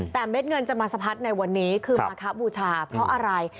แต่เม็ดเงินจะมาสะพัดในวันนี้คือมาคบูชาเพราะอะไร